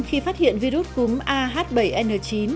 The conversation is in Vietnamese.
khi phát hiện virus cúm ah bảy n chín